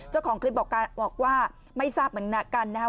เจ้าของคลิปบอกว่าไม่ทราบเหมือนกันนะครับ